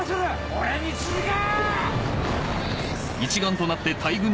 俺に続け！